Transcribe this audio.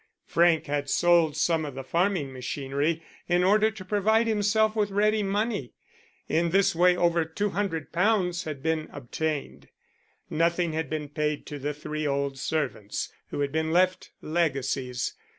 Frank had sold some of the farming machinery in order to provide himself with ready money. In this way over £200 had been obtained. Nothing had been paid to the three old servants who had been left legacies.